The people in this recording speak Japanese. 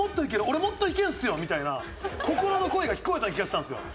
俺もっといけるんですよみたいな心の声が聞こえた気がしたんですよ。